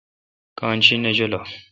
کان شی نہ جولہ۔